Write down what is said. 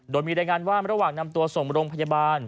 โดยมีรายงานว่าระหว่างนำตัวส่งโรงพยาบาล